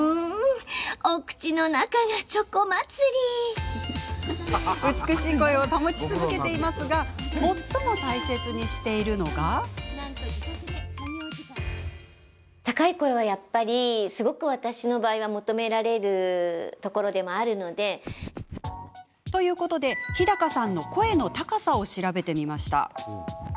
今も若々しい声を保ち続けていますが最も大切にしているのが。ということで、日高さんの声の高さを調べてみました。